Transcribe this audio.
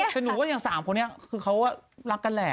แต่หนูว่าอย่าง๓คนนี้คือเขารักกันแหละ